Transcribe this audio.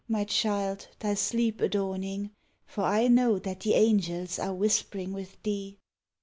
My child, thy sleep adorning, — For I know that the angels are whispering with thee.